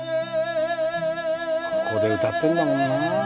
ここで歌ってんだもんな。